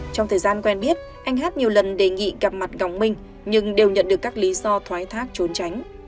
trong thời gian quen biết anh hát nhiều lần đề nghị gặp mặt ngọc minh nhưng đều nhận được các lý do thoái thác trốn tránh